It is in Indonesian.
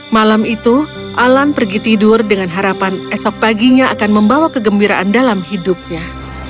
malam itu alan pergi tidur dengan harapan esok paginya akan membawa kegembiraan dalam hidupnya